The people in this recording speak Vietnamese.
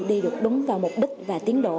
đi được đúng vào mục đích và tiến độ